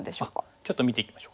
ちょっと見ていきましょうかね。